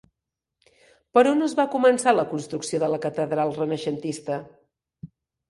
Per on es va començar la construcció de la catedral renaixentista?